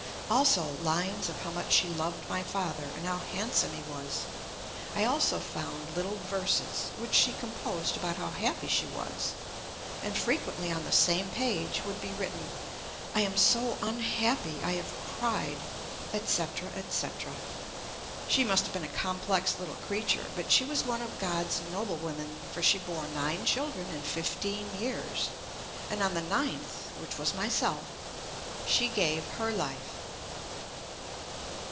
Also lines of how much she loved my father and how handsome he was. I also found little verses which she composed about how happy she was, and frequently on the same page would be writ ten "I am so unhappy, I have cried," etc., etc. She must have been a complex little creature, but she was one of God's noblewomen for she bore nine children in fifteen years, and on the ninth, which was myself, she gave her life.